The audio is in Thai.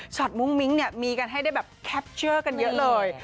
มุ้งมิ้งเนี่ยมีกันให้ได้แบบแคปเชื่อกันเยอะเลย